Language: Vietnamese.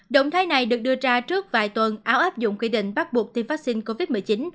động thái này được đưa ra trước vài tuần áo áp dụng quy định bắt buộc tiêm vaccine covid một mươi chín